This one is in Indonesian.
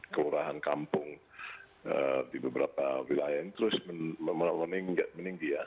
kelurahan kampung di beberapa wilayah ini terus meninggi ya